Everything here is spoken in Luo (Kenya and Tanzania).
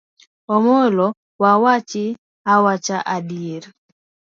Omolo wa wachi awacha adieri.